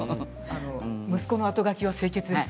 息子のあとがきは清潔です。